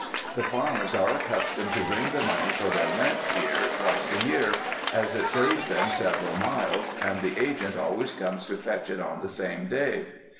The farmers are accustomed to bring the money for their rent here twice a year, as it save them several miles, and the agent always comes to fetch it on the same day.